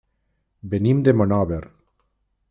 Venim de Monòver.